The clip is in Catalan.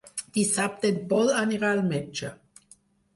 Dissabte en Pol anirà al metge.